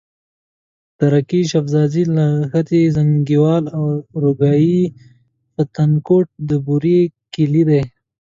درگۍ، شبوزې، لښتي، زينگيوال، اورياگی او پټانکوټ د بوري کلي دي.